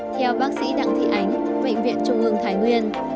theo bác sĩ đặng thị ánh bệnh viện trung ương thái nguyên